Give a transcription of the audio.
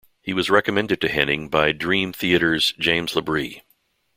He was recommended to Henning by Dream Theater's James LaBrie.